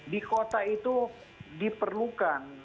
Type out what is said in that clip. di kota itu diperlukan